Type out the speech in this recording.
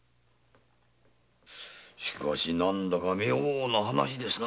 しかし何だか妙な話ですな。